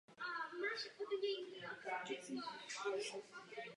Sirius patří mimo jiné k proudu hvězd Velké medvědice.